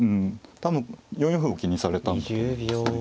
多分４四歩を気にされたんだと思いますね。